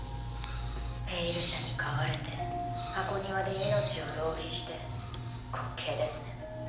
「ペイル社」に飼われて箱庭で命を浪費して滑稽ですね。